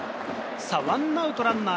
１アウトランナー